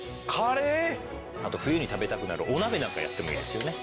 あと冬に食べたくなるお鍋なんかやってもいいですよね。